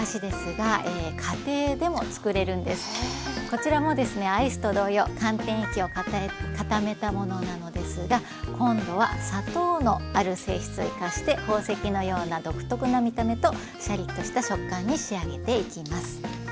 こちらもですねアイスと同様寒天液を固めたものなのですが今度は砂糖の「ある性質」を生かして宝石のような独特な見た目とシャリッとした食感に仕上げていきます。